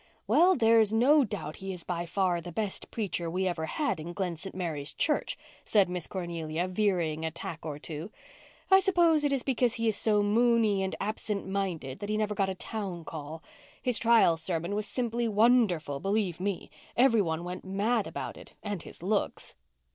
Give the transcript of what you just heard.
"Well, there's no doubt he is by far the best preacher we ever had in Glen St. Mary church," said Miss Cornelia, veering a tack or two. "I suppose it is because he is so moony and absent minded that he never got a town call. His trial sermon was simply wonderful, believe me. Every one went mad about it—and his looks."